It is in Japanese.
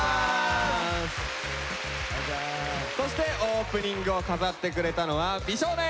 そしてオープニングを飾ってくれたのは美少年！